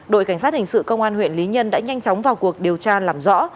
đội cảnh sát hình sự công an huyện lý nhân đã nhanh chóng vào cuộc điều tra làm rõ